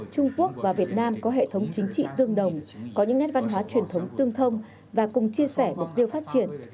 trung quốc và việt nam có hệ thống chính trị tương đồng có những nét văn hóa truyền thống tương thông và cùng chia sẻ mục tiêu phát triển